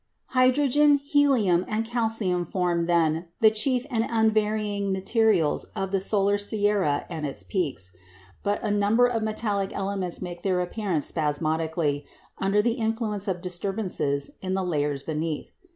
Hydrogen, helium, and calcium form, then, the chief and unvarying materials of the solar sierra and its peaks; but a number of metallic elements make their appearance spasmodically under the influence of disturbances in the layers beneath.